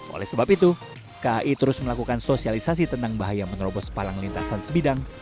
oleh sebab itu kai terus melakukan sosialisasi tentang bahaya menerobos palang lintasan sebidang